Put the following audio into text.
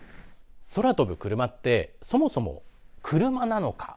空飛ぶクルマってそもそも車なのか。